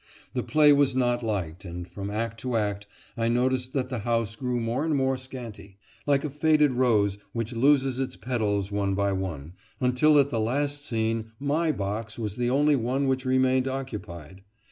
The play was not liked, and from act to act I noticed that the house grew more and more scanty, like a faded rose which loses its petals one by one, until at the last scene my box was the only one which remained occupied.